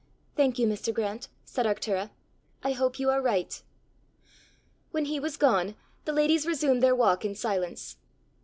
"Thank you, Mr. Grant!" said Arctura. "I hope you are right." When he was gone, the ladies resumed their walk in silence.